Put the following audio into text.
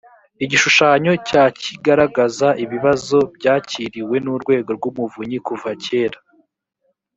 igishushanyo cya kigaragaza ibibazo byakiriwe n urwego rw umuvunyi kuva kugera